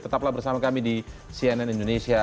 tetaplah bersama kami di cnn indonesia